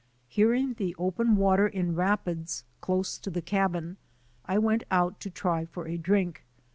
Hearing the open water in rapids close to the cabin, I went out to try for a drink.